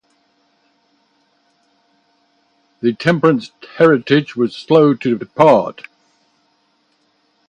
The Temperance heritage was slow to depart.